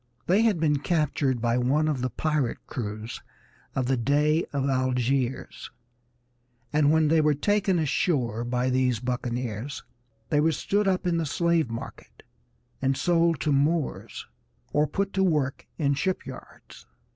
They had been captured by one of the pirate crews of the Dey of Algiers, and when they were taken ashore by these buccaneers they were stood up in the slave market and sold to Moors, or put to work in the shipyards.